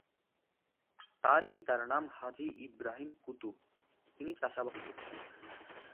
তার পিতার নাম হাজী ইবরাহীম কুতুব; তিনি চাষাবাদ করতেন।